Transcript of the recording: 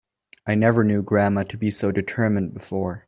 I never knew grandma to be so determined before.